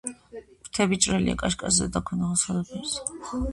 ფრთები ჭრელია, კაშკაშა, ზედა და ქვედა მხარე სხვადასხვა ფერისა.